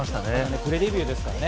プレデビューですからね。